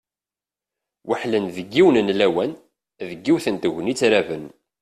Weḥlen deg yiwen n lawan, deg yiwet n tegnit raben.